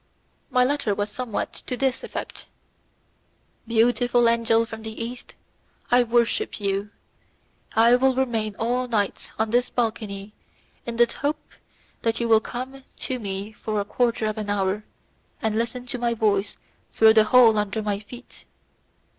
My letter was somewhat to this effect: "Beautiful angel from the East, I worship you. I will remain all night on this balcony in the hope that you will come to me for a quarter of an hour, and listen to my voice through the hole under my feet.